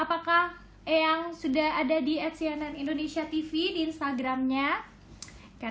apakah eyang sudah ada di atsianandindonesiatv di instagramnya